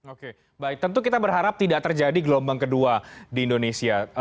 oke baik tentu kita berharap tidak terjadi gelombang kedua di indonesia